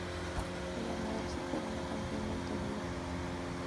El ganador se coronará campeón del torneo.